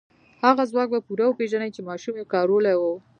هغه ځواک به پوره وپېژنئ چې ماشومې کارولی و.